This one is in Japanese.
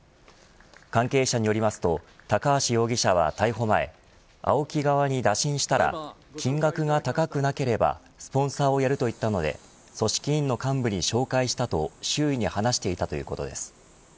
関係者によりますと高橋容疑者は逮捕前、ＡＯＫＩ側に打診したら金額が高くなければスポンサーをやると言ったので組織委の幹部に紹介したと周囲に話していたということです。